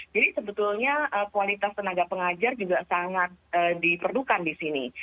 jadi sebetulnya kualitas tenaga pengajar juga sangat diperlukan disini